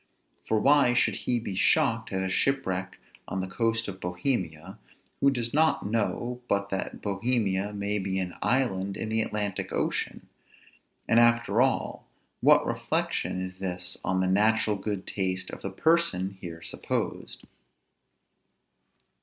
For why should he be shocked at a shipwreck on the coast of Bohemia, who does not know but that Bohemia may be an island in the Atlantic ocean? and after all, what reflection is this on the natural good taste of the person here supposed?